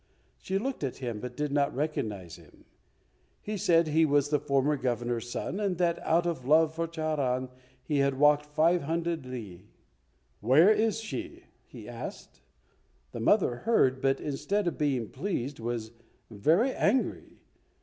She looked at him, but did not recognize him. He said he was the former Governor's son and that out of love for Charan he had walked five hundred lee. "Where is she?" he asked. The mother heard, but instead of being pleased was very angry.